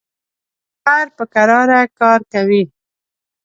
زموږ خر په کراره کار کوي.